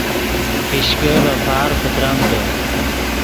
پیشکے ڤے پارغ پتریمدے